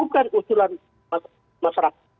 bukan usulan masyarakat